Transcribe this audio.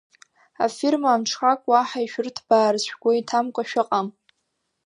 Афирма амҽхак уаҳа ишәырҭбаарц шәгәы иҭамкәа шәыҟам.